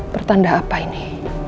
pertanda apa ini